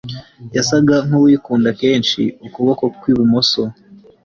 yasaga nkuwikunda kenshi ukuboko kwi bumoso